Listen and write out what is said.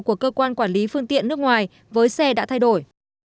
của cơ quan quản lý phương tiện nước ngoài với xe đã thay đổi